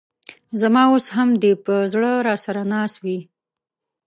ز ما اوس هم دي په زړه راسره ناست وې